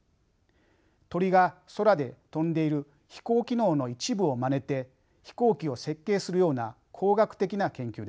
鳥が空で飛んでいる飛行機能の一部をまねて飛行機を設計するような工学的な研究です。